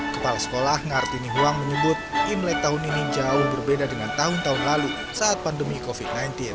kepala sekolah ngartini huang menyebut imlek tahun ini jauh berbeda dengan tahun tahun lalu saat pandemi covid sembilan belas